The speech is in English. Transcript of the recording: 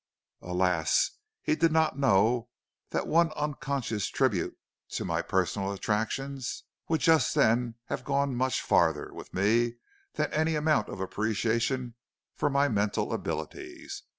"Alas! he did not know that one unconscious tribute to my personal attractions would just then have gone much farther with me than any amount of appreciation for my mental abilities.